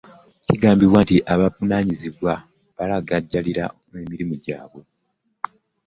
Kigambibwa nti abavunaanibwa baalagajjalira emirimu gyabwe.